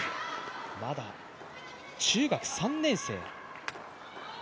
まだ中学３年生。